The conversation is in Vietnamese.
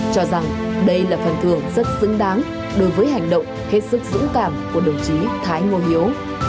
cho rằng đây là phần thưởng rất xứng đáng đối với hành động hết sức dũng cảm của đồng chí thái ngô hiếu